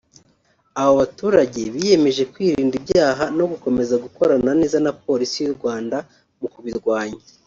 Abo baturage biyemeje kwirinda ibyaha no gukomeza gukorana neza na Polisi y’u Rwanda mu kubirwanya